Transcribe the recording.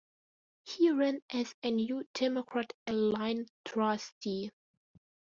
He ran as a New Democrat aligned trustee.